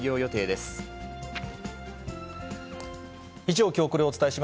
以上、きょうコレをお伝えし